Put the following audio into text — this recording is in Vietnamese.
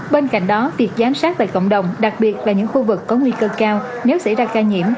bên cạnh đó việc giám sát tại cộng đồng đặc biệt là những khu vực có nguy cơ cao nếu xảy ra ca nhiễm